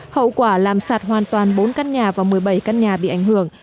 hậu quả làm sạt hoàn toàn bốn căn nhà và một mươi bảy căn nhà bị ảnh hưởng